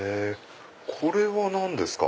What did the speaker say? これは何ですか？